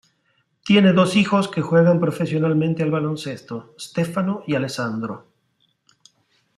Tiene dos hijos que juegan profesionalmente al baloncesto, Stefano y Alessandro.